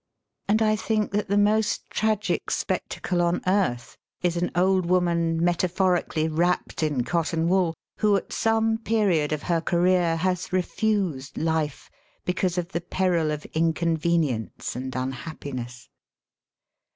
And I think that the most tragic 20 SELF AND SELF MANAGEMENT spectacle on earth ia an old woman metaphorically wrapped in cotton wool who at some period of her career has refused life because of the peril of in convenience and unhappiness.